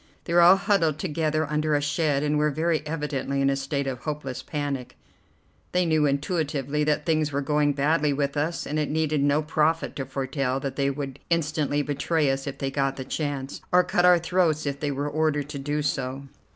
They were all huddled together under a shed, and were very evidently in a state of hopeless panic. They knew intuitively that things were going badly with us, and it needed no prophet to foretell that they would instantly betray us if they got the chance, or cut our throats if they were ordered to do so.